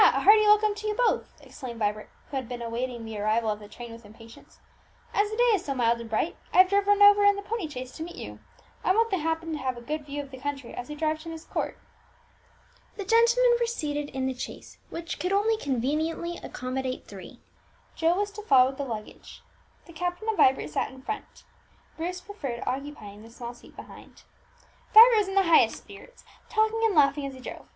a hearty welcome to you both!" exclaimed Vibert, who had been awaiting the arrival of the train with impatience. "As the day is so mild and bright, I have driven over in the pony chaise to meet you. I want the captain to have a good view of the country as we drive to Myst Court." The gentlemen were soon in the chaise, which could only conveniently accommodate three; Joe was to follow with the luggage. The captain and Vibert sat in front; Bruce preferred occupying the small seat behind. Vibert was in the highest spirits, talking and laughing as he drove.